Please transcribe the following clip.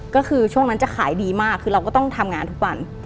ก็คือช่วงนั้นจะขายดีมากคือเราก็ต้องทำงานทุกวัน